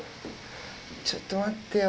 ちょっと待ってよ